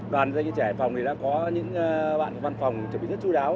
toàn ra những trẻ hải phòng thì đã có những bạn văn phòng chuẩn bị rất chú đáo